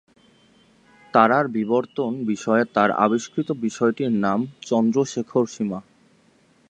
তারার বিবর্তন বিষয়ে তার আবিষ্কৃত বিষয়টির নাম চন্দ্রশেখর সীমা।